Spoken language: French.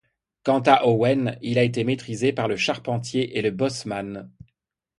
Quant à Owen, il a été maîtrisé par le charpentier et le bosseman.